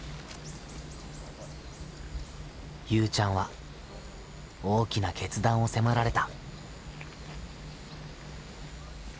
ゆうちゃんは大きな決断を迫られた。